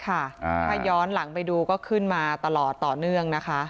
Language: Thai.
ถ้าย้อนหลังไปดูก็ขึ้นมาตลอดต่อเนื่องนะคะ